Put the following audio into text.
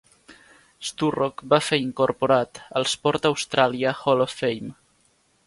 Sturrock va fer incorporat al Sport Australia Hall of Fame.